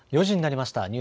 ４時になりました。